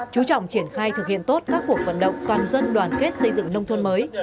chú trọng triển khai thực hiện tốt các cuộc vận động toàn dân đoàn kết xây dựng nông thôn mới